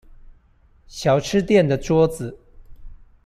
小吃店的桌子